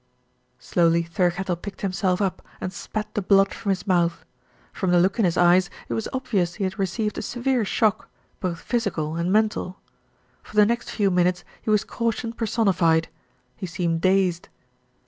Slowly Thirkettle picked himself up and spat the blood from his mouth. From the look in his eyes it was obvious he had received a severe shock, both physi cal and mental. For the next few minutes he was caution personified. He seemed dazed.